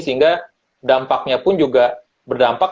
sehingga dampaknya pun juga berdampak